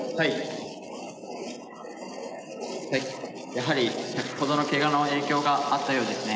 やはり先ほどのケガの影響があったようですね。